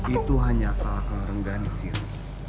itu hanya kalahkan rengganis ji